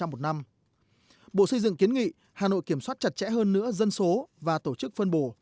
ba chín một năm bộ xây dựng kiến nghị hà nội kiểm soát chặt chẽ hơn nữa dân số và tổ chức phân bổ